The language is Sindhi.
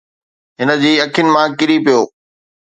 هن جي اکين مان ڪري پيو.